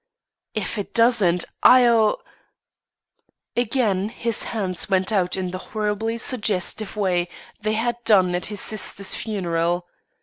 If it doesn't, I'll " Again his hands went out in the horribly suggestive way they had done at his sister's funeral.